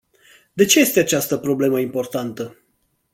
De ce este această problemă importantă?